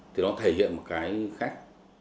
thì nó thể hiện một cái khác